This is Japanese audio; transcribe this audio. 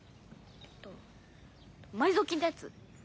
えっと埋蔵金ってやつ？